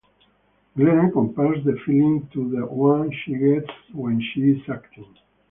Glenna compares the feeling to the one she gets when she is acting.